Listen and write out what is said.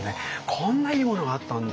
こんないいものがあったんだ！